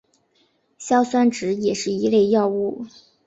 硝酸酯也是一类药物。